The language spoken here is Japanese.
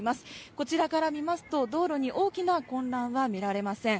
こちらから見ますと、道路に大きな混乱は見られません。